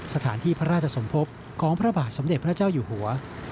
สถานที่พระราชสมภพของพระบาทสมเด็จพระเจ้าอยู่หัว